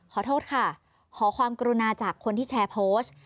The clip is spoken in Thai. ขอโทษค่ะขอความกรุณาจากคนที่แชร์โพสต์